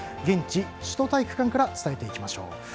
現地、首都体育館から伝えていきましょう。